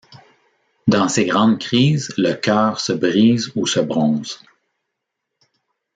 Dans ces grandes crises, le cœur se brise ou se bronze.